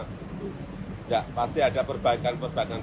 tidak pasti ada perbaikan perbaikan